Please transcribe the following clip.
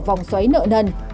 vòng xoáy nợ nần